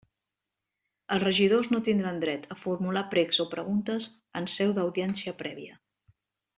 Els regidors no tindran dret a formular precs o preguntes en seu d'Audiència Prèvia.